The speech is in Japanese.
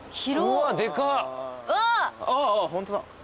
ああっホントだ。